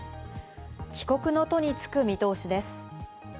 帰国の途に就く見通しです。